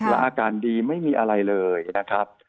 และอาการดีไม่มีอะไรเลยนะครับ